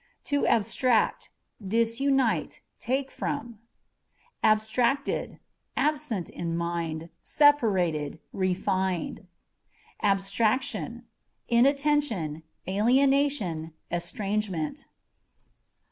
To Abstractâ€" disunite, take from. Abstracted â€" absent in mind, separated, refined. Abstraction â€" inattention, alienation, estrangement.